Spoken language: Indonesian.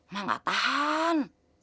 mak gak tahan